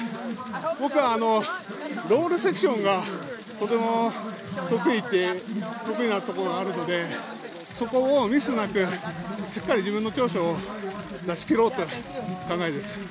僕はロールセクションがとても得意なところがあるのでそこをミスなくしっかり自分の長所を出し切ろうという考えです。